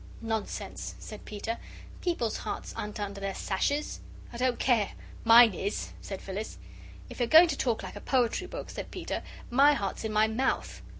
"Nonsense," said Peter, "people's hearts aren't under their sashes." "I don't care mine is," said Phyllis. "If you're going to talk like a poetry book," said Peter, "my heart's in my mouth."